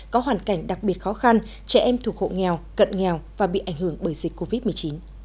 có hoàn cảnh đặc biệt khó khăn trẻ em thuộc hộ nghèo cận nghèo và bị ảnh hưởng bởi dịch covid một mươi chín